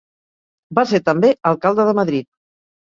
Va ser també Alcalde de Madrid.